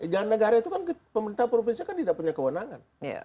jalan negara itu kan pemerintah provinsi kan tidak punya kewenangan